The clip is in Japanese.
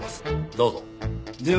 どうぞ。